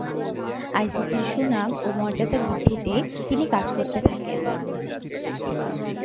আইসিসি’র সুনাম ও মর্যাদা বৃদ্ধিতে তিনি কাজ করতে থাকেন।